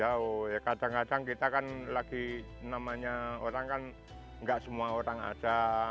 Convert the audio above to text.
ya kadang kadang kita kan lagi namanya orang kan nggak semua orang ada